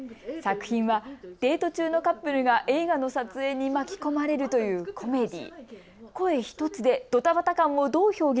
作品はデート中のカップルが映画の撮影に巻き込まれるというコメディー。